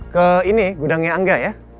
ke ini gudangnya angga ya